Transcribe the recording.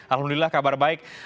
alhamdulillah kabar baik